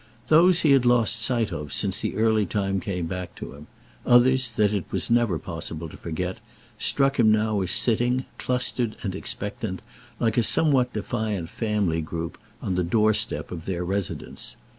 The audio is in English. Those he had lost sight of since the early time came back to him; others that it was never possible to forget struck him now as sitting, clustered and expectant, like a somewhat defiant family group, on the doorstep of their residence.